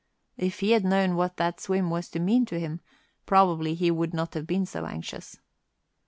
If he had known what that swim was to mean to him, probably he would not have been so anxious.